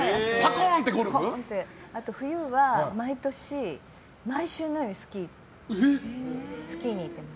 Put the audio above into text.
あとは冬は毎年毎週のようにスキーに行きます。